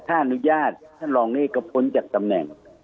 ถ้าอนุญาตท่านรองเนธก็พ้นจากตำแหน่ง